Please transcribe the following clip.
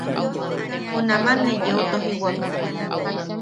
Junaman ne yeu tojiwak.